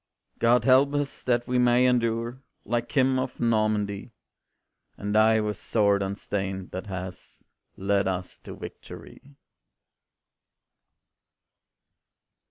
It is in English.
God help us, that we may endure Like him of Normandy; And die with sword unstained, that has Led us to victory.